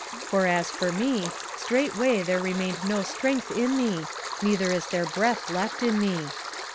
for as for me, straightway there remained no strength in me, neither is there breath left in me.